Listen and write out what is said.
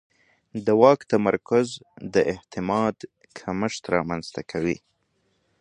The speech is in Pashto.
د واک تمرکز د اعتماد کمښت رامنځته کوي